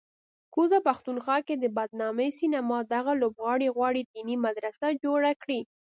کوزه پښتونخوا کې د بدنامې سینما دغه لوبغاړی غواړي دیني مدرسه جوړه کړي